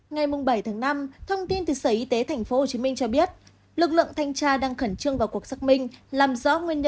hãy đăng ký kênh để ủng hộ kênh của chúng mình nhé